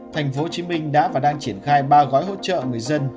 thành phố hồ chí minh đã và đang triển khai ba gói hỗ trợ người dân